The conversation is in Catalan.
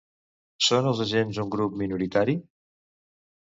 Són els agents un grup minoritari?